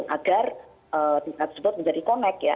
agar tingkat tersebut menjadi connect ya